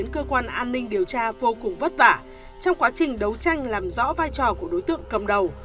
cơ quan an ninh điều tra vô cùng vất vả trong quá trình đấu tranh làm rõ vai trò của đối tượng cầm đầu